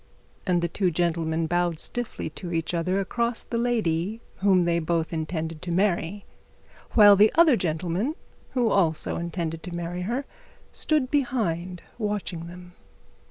And the two gentlemen bowed stiffly to each other across the lady they both intended to marry, while the other gentleman who also intended to marry her stood behind, watching them.